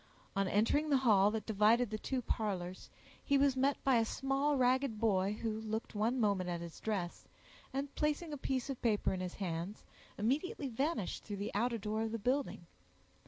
On entering the hall that divided the two parlors, he was met by a small ragged boy, who looked one moment at his dress, and placing a piece of paper in his hands, immediately vanished through the outer door of the building.